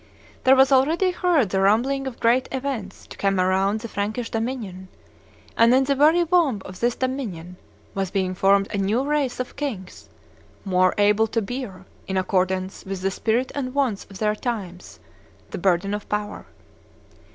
There was already heard the rumbling of great events to come around the Frankish dominion; and in the very womb of this dominion was being formed a new race of kings more able to bear, in accordance with the spirit and wants of their times, the burden of power.